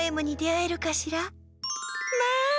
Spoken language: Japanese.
まあ！